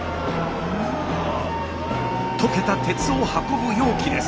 溶けた鉄を運ぶ容器です。